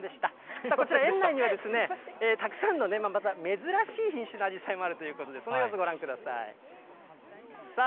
さあこちら、園内にはですね、たくさんの珍しい品種のあじさいもあるということで、その様子、ご覧ください。